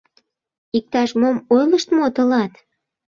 Иктаж-мом ойлышт мо тылат?!